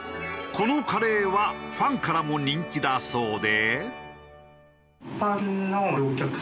このカレーはファンからも人気だそうで。